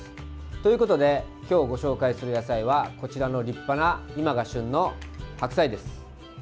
ということで今日ご紹介する野菜はこちらの立派な今が旬の白菜です。